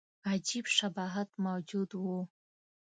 عجیب شباهت موجود وو.